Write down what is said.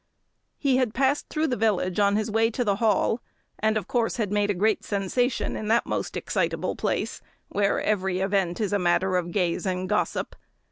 He had passed through the village on his way to the Hall, and of course had made a great sensation in that most excitable place, where every event is a matter of gaze and gossip.